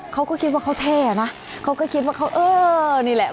เขาก็คิดว่าเขาเท่ห์นะเขาก็คิดว่านี่แหละ